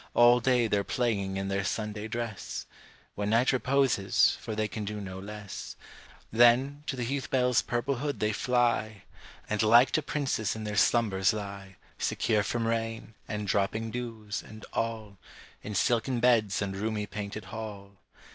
All day they're playing in their Sunday dress Till night goes sleep, and they can do no less; Then, to the heath bell's silken hood they fly, And like to princes in their slumbers lie, Secure from night, and dropping dews, and all, In silken beds and roomy painted hall.